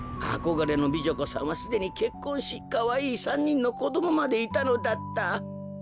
あこがれの美女子さんはすでにけっこんしかわいい３にんのこどもまでいたのだった。